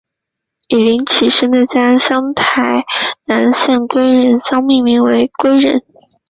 以林启生的家乡台南县归仁乡命名为归仁。